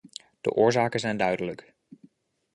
De oorzaken zijn duidelijk.